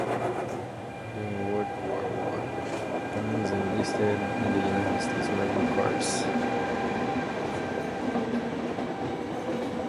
During World War One Burns enlisted in the United States Marine Corps.